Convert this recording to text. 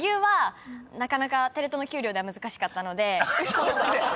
ちょっと待って！